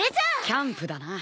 キャンプだな。